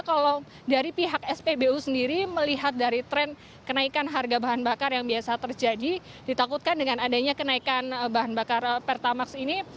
kalau dari pihak spbu sendiri melihat dari tren kenaikan harga bahan bakar yang biasa terjadi ditakutkan dengan adanya kenaikan bahan bakar pertamax ini